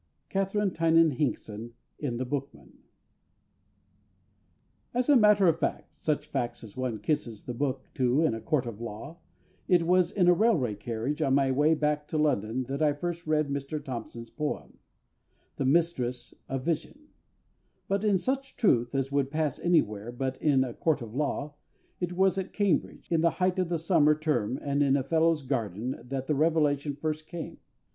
KATHERINE TYNAN HINKSON, in The Bookman. As a matter of fact such fact as one kisses the book to in a court of law it was in a railway carriage on my way back to London that I first read Mr THOMPSON'S poem, The Mistress of Vision; but, in such truth as would pass anywhere but in a court of law, it was at Cambridge, in the height of the summer term and in a Fellows' Garden that the revelation first came.